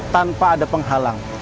tanpa ada penghalang